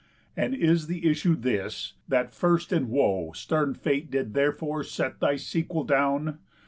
And is the issue this, that first in woe Stern Fate did therefore set thy sequel down?